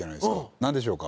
何でしょうか？